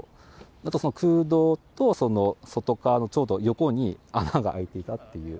あと空洞と、その外側のちょうど横に穴が空いていたっていう。